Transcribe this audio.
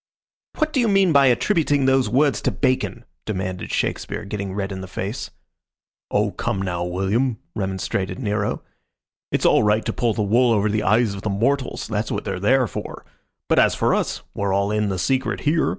"What do you mean my attributing those words to Bacon?" demanded Shakespeare, getting red in the face. "Oh, come now, William," remonstrated Nero. "It's all right to pull the wool over the eyes of the mortals. That's what they're there for; but as for us we're all in the secret here.